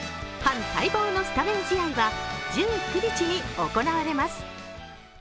ファン待望のスタメン試合は１９日に行われます。